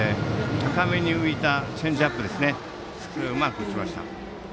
高めに浮いたチェンジアップをうまく打ちました。